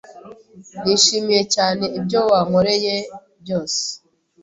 Nishimiye cyane ibyo wankoreye byose.